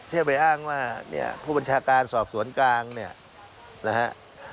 ที่จะไปอ้างว่าเนี่ยผู้บัญชาการสอบสวนกลางเนี่ยนะฮะ